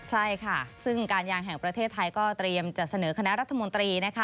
ใช่ค่ะซึ่งการยางแห่งประเทศไทยก็เตรียมจะเสนอคณะรัฐมนตรีนะคะ